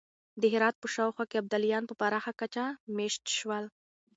د هرات په شاوخوا کې ابدالیان په پراخه کچه مېشت شول.